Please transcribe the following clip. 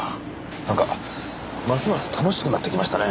なんかますます楽しくなってきましたね。